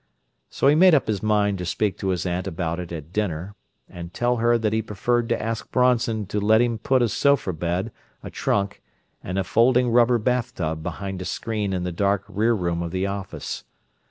So he made up his mind to speak to his aunt about it at "dinner," and tell her that he preferred to ask Bronson to let him put a sofa bed, a trunk, and a folding rubber bathtub behind a screen in the dark rear room of the office.